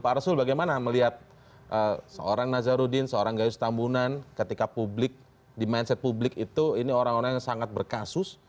pada remisi tiga dpr bagaimana melihat seorang m nazarudin seorang gayus tambunan ketika di mindset publik itu ini orang orang yang sangat berkasus